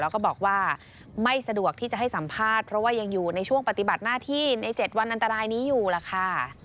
แล้วก็บอกว่าไม่สะดวกที่จะให้สัมภาษณ์เพราะว่ายังอยู่ในช่วงปฏิบัติหน้าที่ใน๗วันอันตรายนี้อยู่ล่ะค่ะ